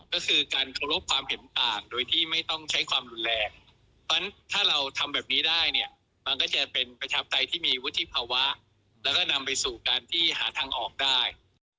ก็คือการเคารพความเห็นต่างโดยที่ไม่ต้องใช้ความรุนแรงเพราะฉะนั้นถ้าเราทำแบบนี้ได้เนี่ยมันก็จะเป็นประชาปไตยที่มีวุฒิภาวะแล้วก็นำไปสู่การที่หาทางออกได้